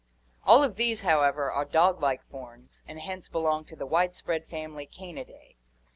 All of these, however, are dog like forms and hence belong to the widespread family Canidae.